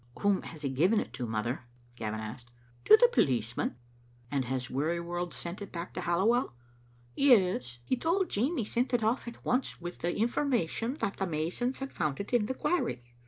" Whom has he given it to, mother?" Gavin asked. "To the policeman." "And has Weary world sent it back to Halliwell?" " Yes. He told Jean he sent it oflE at once, with the information that the masons had found it in the quarry."